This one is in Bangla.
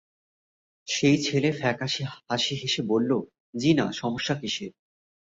সেই ছেলে ফ্যাকাসে হাসি হেসে বলল, জ্বি-না, সমস্যা কিসের?